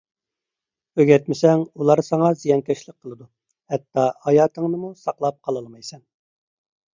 ئۆگەتمىسەڭ، ئۇلار ساڭا زىيانكەشلىك قىلىدۇ. ھەتتا ھاياتىڭنىمۇ ساقلاپ قالالمايسەن.